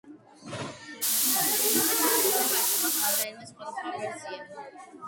ინციდენტის შესახებ არსებობს რამდენიმე სხვადასხვა ვერსია.